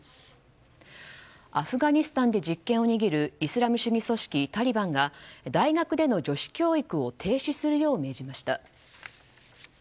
アフガニスタンで実験を握るイスラム主義組織タリバンが大学での女子教育を停止するよう命じました。